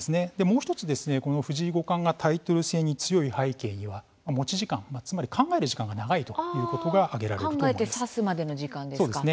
もう１つ、藤井五冠がタイトル戦に強い背景には持ち時間、つまり考える時間が長いということが挙げられると思います。